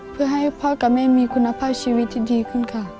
เพื่อให้พ่อกับแม่มีคุณภาพชีวิตที่ดีขึ้นค่ะ